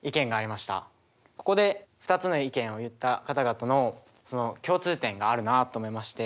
ここで２つの意見を言った方々の共通点があるなと思いまして。